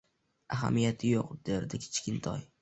Ahamiyati yo`q, dedi Kichkintoy